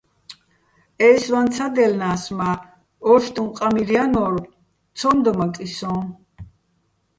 ე́ჲსვაჼ ცადჲელნა́ს, მა́ ო́შტუჼ ყამირ ჲანო́რ, ცო́მ დომაკიჼ სოჼ.